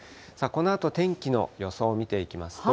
このあと、天気の予想を見ていきますと。